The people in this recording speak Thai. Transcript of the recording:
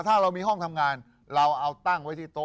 คิกคิกคิกคิกคิกคิกคิกคิกคิกคิก